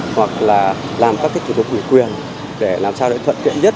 hoặc là làm các kết thúc ủy quyền để làm sao để thuận kiện nhất